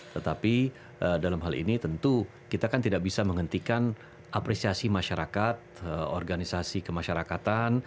tetapi dalam hal ini tentu kita kan tidak bisa menghentikan apresiasi masyarakat organisasi kemasyarakatan